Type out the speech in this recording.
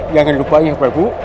jangan lupa ya prabu